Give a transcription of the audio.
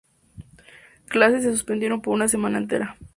Clases se suspendieron por una semana entera.